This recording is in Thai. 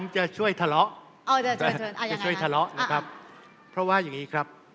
ผมจะช่วยทะเลาะเพราะว่าอย่างนี้ครับ